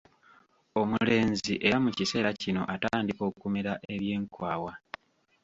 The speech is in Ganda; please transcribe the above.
Omulenzi era mu kiseera kino atandika okumera eby'enkwawa.